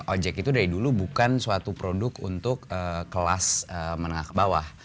ojek itu dari dulu bukan suatu produk untuk kelas menengah ke bawah